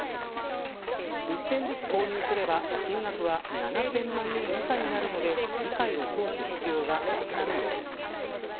１点ずつ購入すれば金額は７０００万円以下になるので議会を通す必要がなくなるのです。